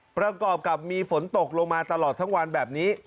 ประกอบกับมีฝนตกลงมาตลอดทั้งวันแบบนี้